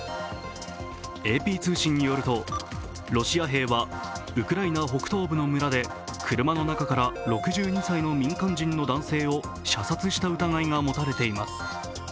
ＡＰ通信によると、ロシア兵はウクライナ北東部の村で車の中から６２歳の民間人の男性を射殺した疑いが持たれています。